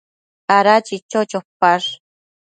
Ada chicho chopash ?